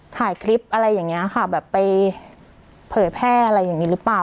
ถ่ายคลิปอะไรอย่างนี้ค่ะแบบไปเผยแพร่อะไรอย่างนี้หรือเปล่า